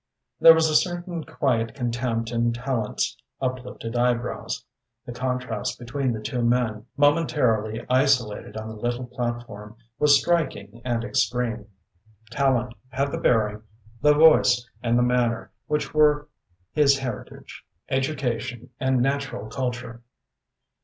There was a certain quiet contempt in Tallente's uplifted eyebrows. The contrast between the two men, momentarily isolated on the little platform, was striking and extreme. Tallente had the bearing, the voice and the manner which were his by heritage, education and natural culture.